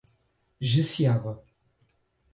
Jeceaba